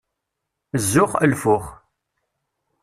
Zzux, lfux!